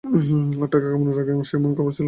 আর টাকা কামানোর আগে সে এমন খারাপ ছিলো না।